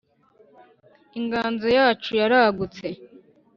inganzo yacu ya ragutse,